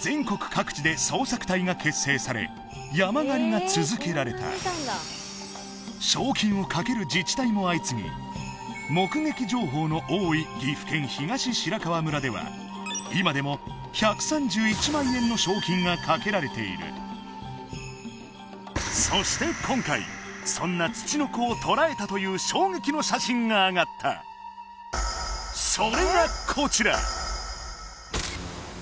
全国各地で捜索隊が結成され山狩りが続けられた賞金をかける自治体も相次ぎ目撃情報の多い岐阜県東白川村では今でも１３１万円の賞金がかけられているそして今回そんなツチノコを捕らえたという衝撃の写真があがったそれがこちら！